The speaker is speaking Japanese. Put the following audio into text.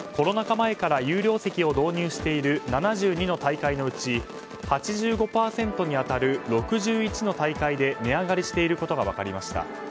前から有料席を導入している７２の大会のうち８５％に当たる６１の大会で値上がりしていることが分かりました。